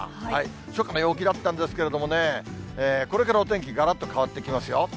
初夏の陽気だったんですけれどもね、これからお天気、がらっと変わってきますよ。